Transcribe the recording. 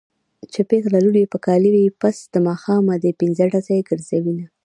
چې پېغله لور يې په کاله وي پس د ماښامه دې پنځډزی ګرځوينه